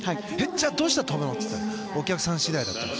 じゃあ、どうしたら跳ぶの？って聞いたら、お客さん次第だって。